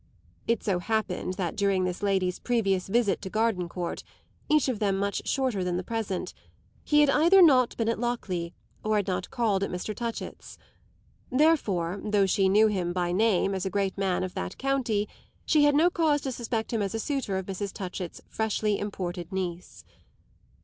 It so happened that during this lady's previous visits to Gardencourt each of them much shorter than the present he had either not been at Lockleigh or had not called at Mr. Touchett's. Therefore, though she knew him by name as the great man of that county, she had no cause to suspect him as a suitor of Mrs. Touchett's freshly imported niece.